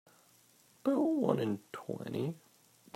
About one in twenty.